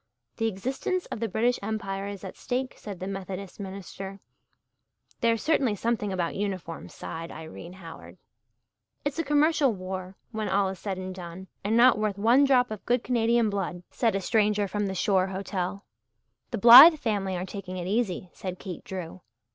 "The existence of the British Empire is at stake," said the Methodist minister. "There's certainly something about uniforms," sighed Irene Howard. "It's a commercial war when all is said and done and not worth one drop of good Canadian blood," said a stranger from the shore hotel. "The Blythe family are taking it easy," said Kate Drew.